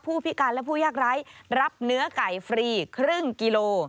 ผู้พิการและผู้ยากร้ายรับเนื้อไก่ฟรีครึ่งกิโล